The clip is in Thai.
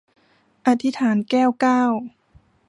อธิษฐาน - แก้วเก้า